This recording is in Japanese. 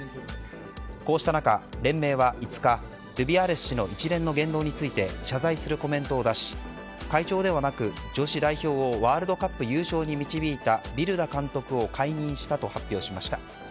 こうした中、連盟は５日ルビアレス氏の一連の言動について謝罪するコメントを出し会長ではなく女子代表をワールドカップ優勝に導いたビルダ監督を解任したと発表しました。